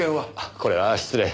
これは失礼。